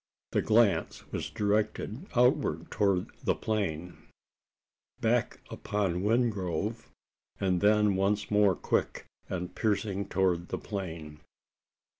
The glance was directed outwards to the plain, back upon Wingrove, and then once more quick and piercing towards the plain.